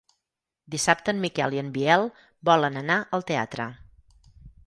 Dissabte en Miquel i en Biel volen anar al teatre.